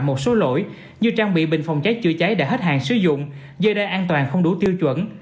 một số lỗi như trang bị bình phòng cháy chữa cháy đã hết hàng sử dụng dây an toàn không đủ tiêu chuẩn